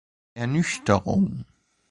Ernüchterung.